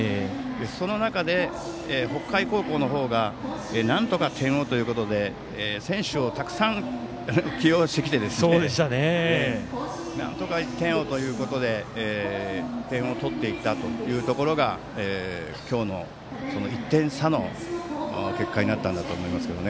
その中で北海高校の方がなんとか点をということで選手をたくさん起用してきてなんとか１点をということで点を取っていったところが今日の１点差の結果になったんだと思います。